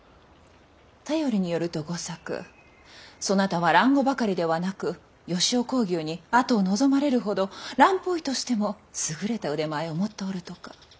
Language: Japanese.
便りによると吾作そなたは蘭語ばかりではなく吉雄耕牛に跡を望まれるほど蘭方医としても優れた腕前を持っておるとか。